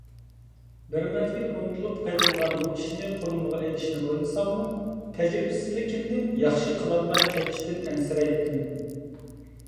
بىر مەزگىل ئۇنتۇلۇپ قېلىنغان بۇ ئىشنى قولۇمغا ئېلىشنى ئويلىساممۇ، تەجرىبىسىزلىكىمدىن ياخشى قىلالماي قېلىشتىن ئەنسىرەيتتىم.